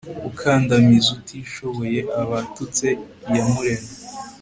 ukandamiza utishoboye aba atutse iyamuremye